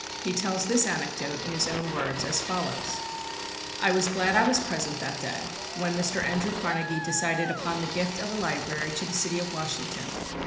He tells this anecdote in his own words, as follows: "I was glad I was present that day, when Mr. Andrew Carnegie decided upon the gift of a library to the city of Washington.